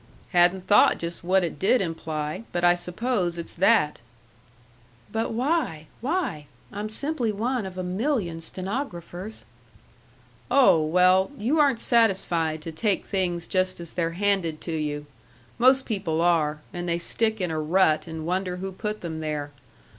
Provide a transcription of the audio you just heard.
"Hadn't thought just what it did imply, but I suppose it's that." "But why, why? I'm simply one of a million stenographers." "Oh, well, you aren't satisfied to take things just as they're handed to you. Most people are, and they stick in a rut and wonder who put them there.